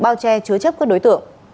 bao che chứa chấp các đối tượng